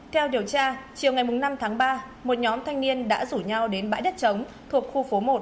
theo điều tra chiều ngày năm tháng ba một nhóm thanh niên đã rủ nhau đến bãi đất trống thuộc khu phố một